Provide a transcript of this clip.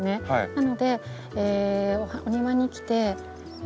なのでお庭に来てえっ？